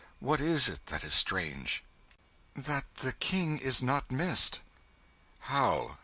What is it that is strange?" "That the King is not missed." "How?